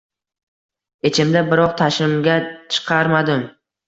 Ichimda biroq tashimga chiqarmadim.